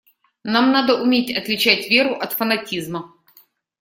Нам надо уметь отличать веру от фанатизма.